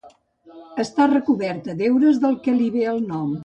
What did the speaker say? Està recoberta d'heures, del que li ve el nom.